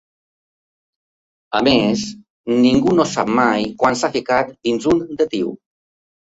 A més, ningú no sap mai quan s'ha ficat dins un Datiu.